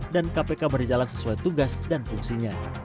dan kpk berjalan sesuai tugas dan fungsinya